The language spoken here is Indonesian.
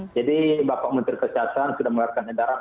jadi bapak menteri kesehatan sudah mengeluarkan edaran